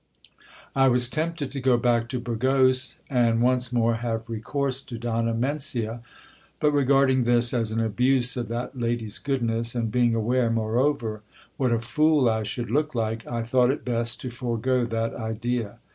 I was tempted to go back to Burgos, and once more have recourse to Donna Mencia ; but, re garding this as an abuse of that lady's goodness, and being aware, moreover, what a fool I should look like, I thought it best to forego that idea.